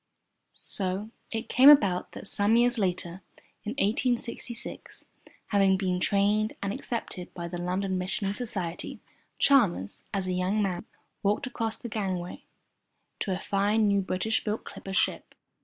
So it came about that some years later in 1866, having been trained and accepted by the London Missionary Society, Chalmers, as a young man, walked across the gangway to a fine new British built clipper ship.